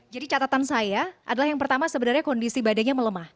jadi catatan saya adalah yang pertama sebenarnya kondisi badainya melemah